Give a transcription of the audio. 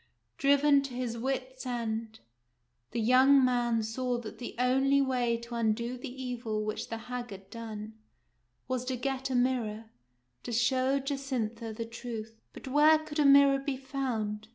Driven to his wits' end, the young man saw that the only way to undo the evil which the hag had done was to get a mirror, to show Jacintha the truth. But where could a mirror be found